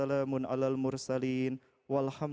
bandara maksimal kami